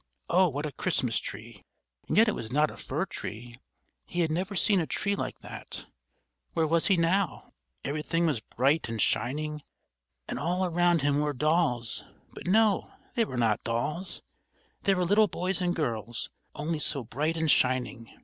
Oh, what a Christmas tree! And yet it was not a fir tree, he had never seen a tree like that! Where was he now? Everything was bright and shining, and all round him were dolls; but no, they were not dolls, they were little boys and girls, only so bright and shining.